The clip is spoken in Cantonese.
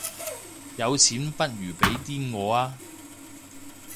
有錢不如俾啲我吖